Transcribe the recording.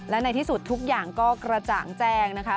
และในที่สุดทุกอย่างก็กระจ่างแจ้งนะคะ